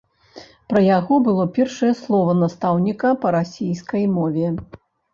Пра яго было першае слова настаўніка па расійскай мове.